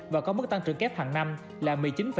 và có mức tăng trưởng kép hằng năm là một mươi chín hai mươi chín